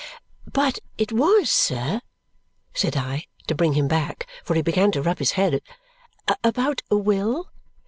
"But it was, sir," said I, to bring him back, for he began to rub his head, "about a will?"